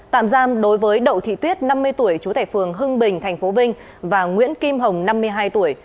tạm giam đối với đậu thị tuyết năm mươi tuổi chú tại phường hưng bình tp vinh và nguyễn kim hồng năm mươi hai tuổi